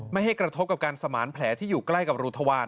ไม่ให้กระทบกับการสมานแผลที่อยู่ใกล้กับรูทวาร